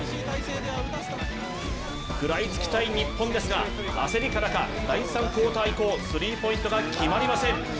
食らいつきたい日本ですが、焦りからか第３クオーター以降スリーポイントが決まりません。